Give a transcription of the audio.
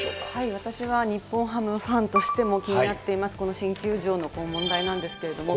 私は、日本ハムファンとしても気になっています、この新球場のこの問題なんですけども。